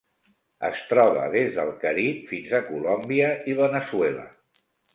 Es troba des del Carib fins a Colòmbia i Veneçuela.